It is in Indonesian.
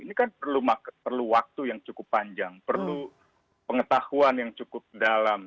ini kan perlu waktu yang cukup panjang perlu pengetahuan yang cukup dalam